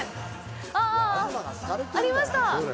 あ、ありました！